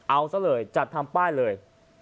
เอาซะเลยจัดทำป้ายเลย